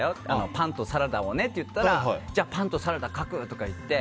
パンとサラダをねって言ったらじゃあ、パンとサラダ描くって。